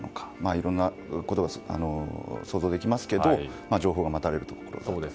いろんなことが想像できますけど情報が待たれるところです。